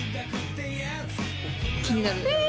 気になるえ！